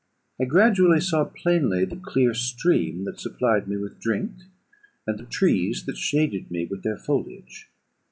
I gradually saw plainly the clear stream that supplied me with drink, and the trees that shaded me with their foliage.